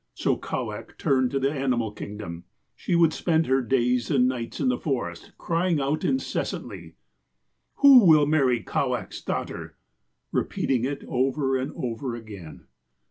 So Kowak turned to the animal kingdom. She would spend her days and nights in the forest, crying out incessantly : "'"Who will marry Kowak' s daughter?' repeating it over and over again.